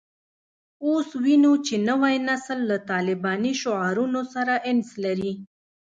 اوس وینو چې نوی نسل له طالباني شعارونو سره انس لري